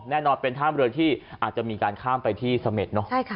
แน่นอนเป็นท่ามเรือที่อาจจะมีการข้ามไปที่เสม็ดเนอะ